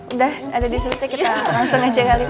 udah ada di selitnya kita langsung aja kali ini